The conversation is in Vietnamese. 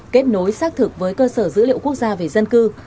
kết nối xác thực với cơ sở dữ liệu quốc gia về dân cư